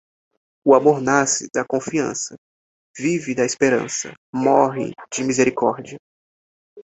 O amor nasce da confiança, vive da esperança, morre de misericórdia.